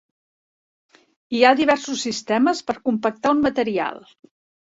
Hi ha diversos sistemes per compactar un material.